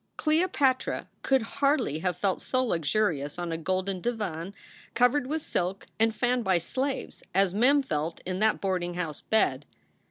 Cleopatra could hardly have felt so luxurious on a golden divan covered with silk and fanned by slaves as Mem felt in that boarding house bed.